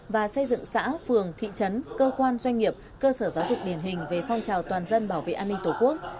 và xây dựng xã phường thị trấn cơ quan doanh nghiệp cơ sở giáo dục điển hình về phong trào toàn dân bảo vệ an ninh tổ quốc